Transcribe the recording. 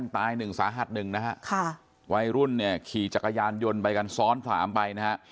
ตายหนึ่งสาหัสหนึ่งนะฮะค่ะวัยรุ่นเนี่ยขี่จักรยานยนต์ไปกันซ้อนสามไปนะฮะ